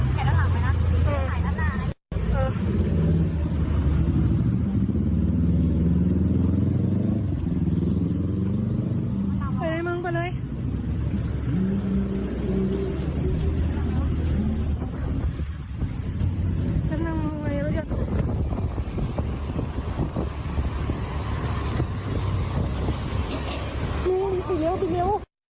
ไปไหนมึงไปเลย